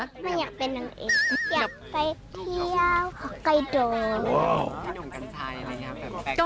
ไม่อยากเป็นนางเอกอยากไปเที่ยวข้าวไก่เดิม